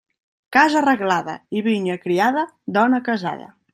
Casa arreglada i vinya criada, dona casada.